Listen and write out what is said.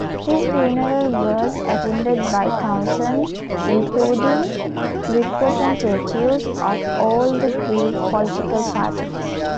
His funeral was attended by thousands, including representatives of all the Greek political parties.